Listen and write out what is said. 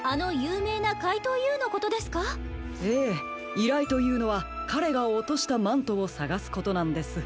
いらいというのはかれがおとしたマントをさがすことなんです。